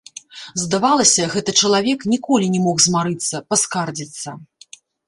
Здавалася, гэты чалавек ніколі не мог змарыцца, паскардзіцца.